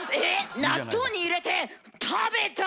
納豆に入れて食べた！